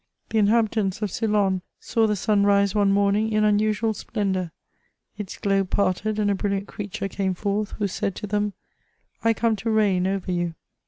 The inhabitants of Ceylon saw the sun rise one morning in unusual splendoiur; its globe parted, and a brilliant creature came forth, who said to dem, " I come to reign over you."